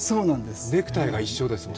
ネクタイが一緒ですね。